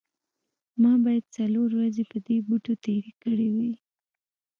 ما باید څلور ورځې په دې بوټو تیرې کړې وي